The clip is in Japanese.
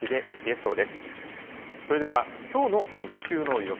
それではきょうの日中の予想